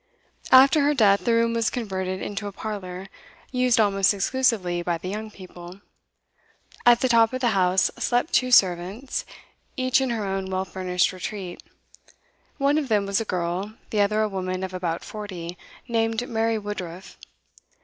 After her death the room was converted into a parlour, used almost exclusively by the young people. At the top of the house slept two servants, each in her own well furnished retreat; one of them was a girl, the other a woman of about forty, named Mary Woodruff.